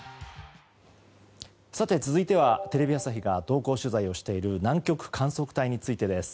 続いてはテレビ朝日が同行取材をしている南極観測隊についてです。